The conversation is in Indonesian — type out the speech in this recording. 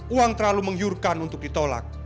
uang terlalu menggiurkan untuk ditolak